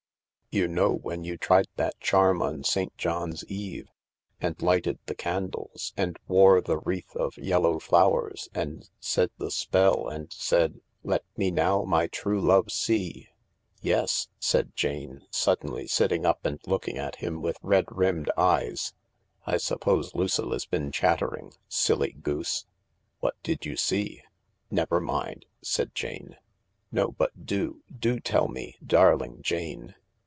You know when you tried that charm, on St. John's Eve, and lighted the THE LAKE 287 candles, and wore the wreath of yellow flowers, and said the spell, and said, * Let me now my true love see' ?"" Yes," said Jane, suddenly sitting up and looking at him with red rimmed eyes . "I suppose Lucilla 's been chatter ing. Silly goose !"" What did you see ?"" Never mind," said Jane. "No, but do— do tell me— darling Jane."